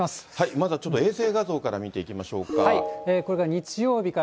まずはちょっと、衛星画像から見ていきましょうか。